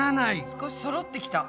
少しそろってきた。